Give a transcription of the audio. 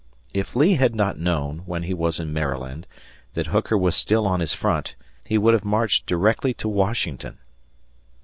If Lee had not known, when he was in Maryland, that Hooker was still on his front, he would have marched directly to Washington.